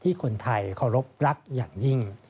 คนไทยเคารพรักอย่างยิ่ง